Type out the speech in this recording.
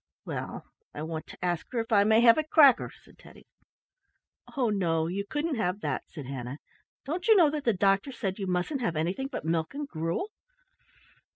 "Well, I want to ask her if I may have a cracker," said Teddy. "Oh, no; you couldn't have that," said Hannah. "Don't you know that the doctor said you mustn't have anything but milk and gruel?